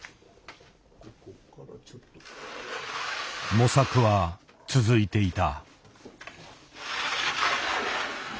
模索は続いていた。